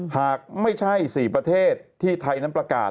หากไม่ใช่๔ประเทศที่ไทยนั้นประกาศ